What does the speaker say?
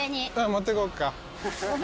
持っていこうか。